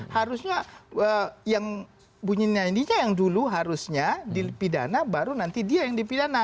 harusnya yang dulu harusnya dipidana baru nanti dia yang dipidana